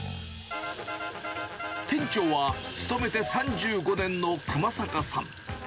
店長は、勤めて３５年の熊坂さん。